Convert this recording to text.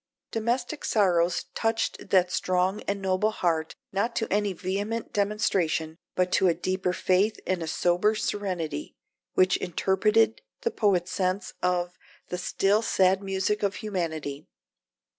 Domestic sorrows touched that strong and noble heart not to any vehement demonstration, but to a deeper faith and a sober serenity, which interpreted the poet's sense of "the still sad music of humanity."